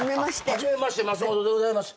初めまして松本でございます。